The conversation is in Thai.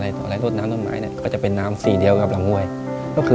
ในแคมเปญพิเศษเกมต่อชีวิตโรงเรียนของหนู